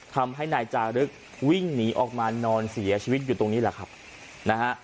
ทำให้นายจารึกวิ่งหนีออกมานอนเสียชีวิตอยู่ตรงนี้แหละครับนะฮะ